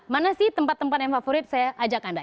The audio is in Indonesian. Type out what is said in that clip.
mana sih tempat tempat yang favorit saya ajak anda